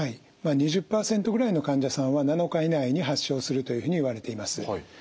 ２０％ぐらいの患者さんは７日以内に発症するというふうにいわれています。